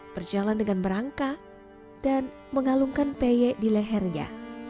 berjalan dengan merangka dan mengalungkan peyek di lehernya